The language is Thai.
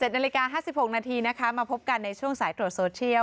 ๗นาฬิกา๕๖นาทีนะคะมาพบกันในช่วงสายตรวจโซเชียล